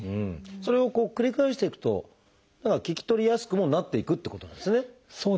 それを繰り返していくと聞き取りやすくもなっていくってことなんですね。